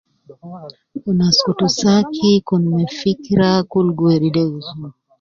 Kun askutu saki, kun me fikra kul gi weri de huzuni